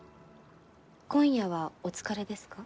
今夜はお疲れですか？